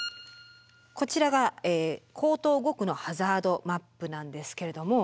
こちらが江東５区のハザードマップなんですけれども。